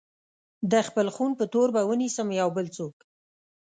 د خپل خون په تور به ونيسم يو بل څوک